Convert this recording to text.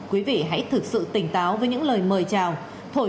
quý vị hãy thực sự tỉnh táo với những lời mời chào